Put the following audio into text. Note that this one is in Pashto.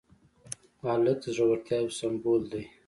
هلک د زړورتیا یو سمبول دی.